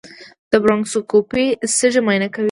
د برونکوسکوپي سږي معاینه کوي.